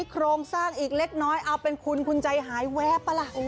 โครงสร้างอีกเล็กน้อยเอาเป็นคุณคุณใจหายแวบป่ะล่ะ